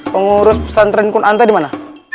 pengurus pesantren kun anta dimana